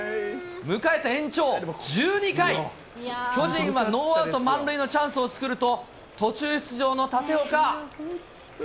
迎えた延長１２回、巨人はノーアウト満塁のチャンスを作ると、途中出場の立岡。